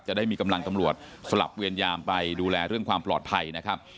ได้มีกำลังตำรวจสลับเวียนยามไปดูแลเรื่องความปลอดภัยนะครับ